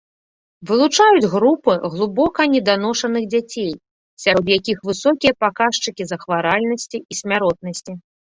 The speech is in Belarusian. Вылучаюць групу глыбока неданошаных дзяцей, сярод якіх высокія паказчыкі захваральнасці і смяротнасці.